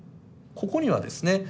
ここにはですね